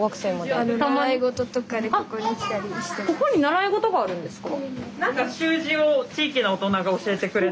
あっここに習い事があるんですか？